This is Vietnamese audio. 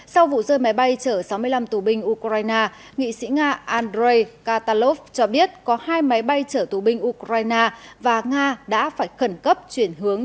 sau vụ rơi máy bay chở sáu mươi năm tù binh ukraine nghị sĩ nga andrei katalov cho biết có hai máy bay chở tù binh ukraine và nga đã phải khẩn cấp chuyển hướng